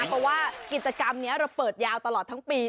เพราะว่ากิจกรรมนี้เราเปิดยาวตลอดทั้งปี